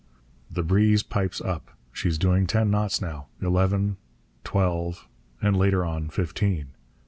The breeze pipes up. She's doing ten knots now; eleven, twelve; and later on, fifteen.